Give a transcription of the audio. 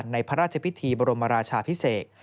ในพระราชพิธีบรมราชาพิเศษ